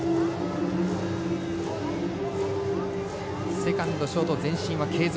セカンド、ショート前進は継続。